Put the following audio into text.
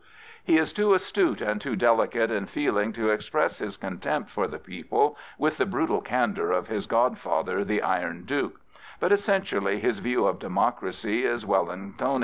He is too astute and too delicate in feeling to express his contempt for the people with the brutal candour of his godfather, the Iron Duke; but essentially his view of democracy is Wellingtonian.